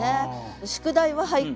「宿題は俳句」